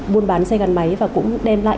buôn bán xe gắn máy và cũng đem lại